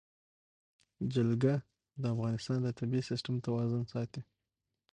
جلګه د افغانستان د طبعي سیسټم توازن ساتي.